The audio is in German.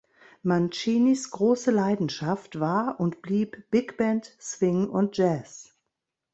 Mancinis große Leidenschaft war und blieb Big Band, Swing und Jazz.